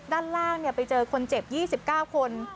ด้านล่างไปเจอคนเจ็บ๒๙คน